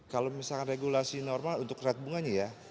kalau misalnya regulasi normal untuk kredit bunganya ya